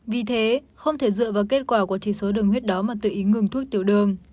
vì thế không thể dựa vào kết quả của chỉ số đường huyết đó mà tự ý ngừng thuốc tiểu đường